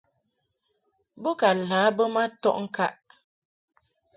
Bo ka lǎ bə ma tɔʼ ŋkaʼ.